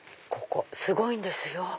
ここすごいんですよ。